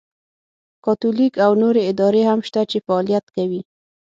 کاتولیک او نورې ادارې هم شته چې فعالیت کوي.